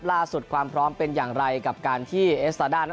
ความพร้อมเป็นอย่างไรกับการที่เอสตาด้านั้น